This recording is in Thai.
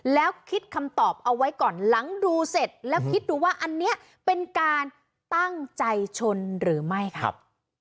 แล้วคิดคำตอบเอาไว้ก่อนหลังดูเสร็จแล้วคิดดูว่าอันนี้เป็นการตั้งใจชนหรือไม่ครับ